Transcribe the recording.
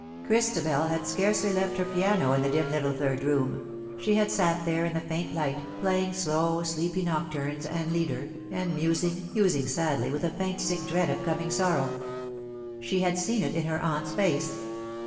Christabel had scarcely left her piano in the dim little third room — she had sat there in the faint light, playing slow sleepy nocturnes and lieder, and musing, musing sadly, with a faint sick dread of coming sorrow. She had seen it in her aunt's face.